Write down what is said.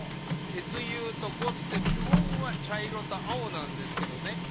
鉄釉と呉須で基本は茶色と青なんですけどね